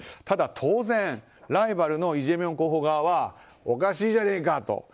ただ、当然ライバルのイ・ジェミョン候補側はおかしいじゃないかと。